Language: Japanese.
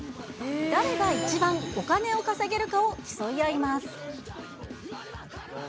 誰が一番お金を稼げるかを競い合います。